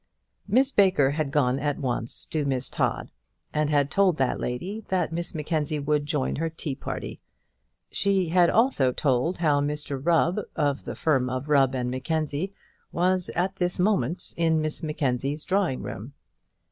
Miss Baker had gone at once to Miss Todd, and had told that lady that Miss Mackenzie would join her tea party. She had also told how Mr Rubb, of the firm of Rubb and Mackenzie, was at this moment in Miss Mackenzie's drawing room.